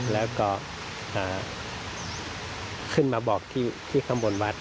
แล้วก็ขึ้นมาบอกที่ข้างบนวัด